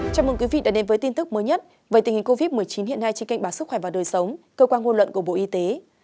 chào mừng quý vị đã đến với tin tức mới nhất về tình hình covid một mươi chín hiện nay trên kênh báo sức khỏe và đời sống cơ quan ngôn luận của bộ y tế